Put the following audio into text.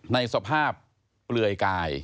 ในสภาพเปลือยกาย